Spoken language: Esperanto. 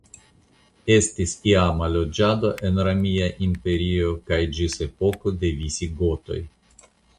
Estis iama loĝado en Romia Imperio kaj ĝis epoko de visigotoj.